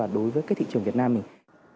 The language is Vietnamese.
đối với thị trường việt nam mình